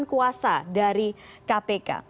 dan kuasa dari kpk